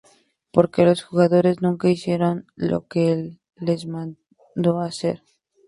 Porque "los jugadores nunca hicieron lo que el les mandó a hacer.